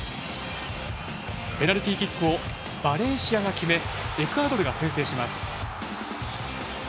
ペナルティーキックをバレンシアが決めエクアドルが先制します。